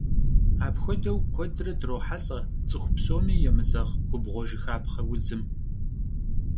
Апхуэдэу куэдрэ дрохьэлӏэ цӏыху псоми емызэгъ губгъуэжыхапхъэ удзым.